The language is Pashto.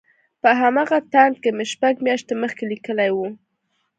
په همغه تاند کې مې شپږ مياشتې مخکې ليکلي وو.